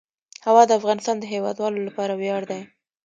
هوا د افغانستان د هیوادوالو لپاره ویاړ دی.